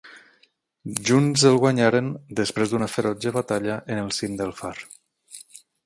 Junts el guanyaren, després d'una ferotge batalla en el cim del far.